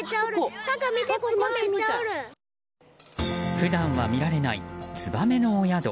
普段は見られないツバメのお宿。